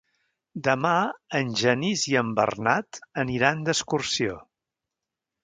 Demà en Genís i en Bernat aniran d'excursió.